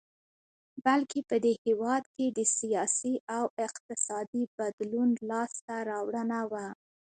بلکې په دې هېواد کې د سیاسي او اقتصادي بدلون لاسته راوړنه وه.